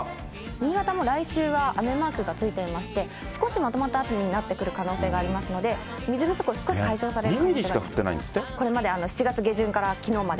新潟も来週は雨マークがついていまして、少しまとまった雨になってくる可能性がありますので、水不足少し全国の皆さん、こんにちは。